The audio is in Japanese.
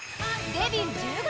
デビュー１５